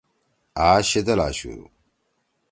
اش شیِدل آشو ۔